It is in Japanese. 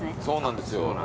そうなんですよ。